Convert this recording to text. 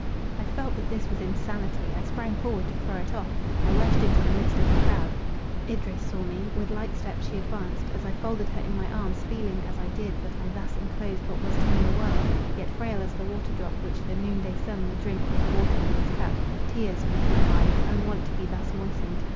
I felt that this was insanity—I sprang forward to throw it off; I rushed into the midst of the crowd. Idris saw me: with light step she advanced; as I folded her in my arms, feeling, as I did, that I thus enclosed what was to me a world, yet frail as the waterdrop which the noon day sun will drink from the water lily's cup; tears filled my eyes, unwont to be thus moistened.